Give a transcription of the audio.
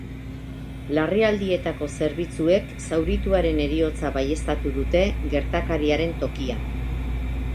Larrialdietako zerbitzuek zaurituaren heriotza baieztatu dute gertakariaren tokian.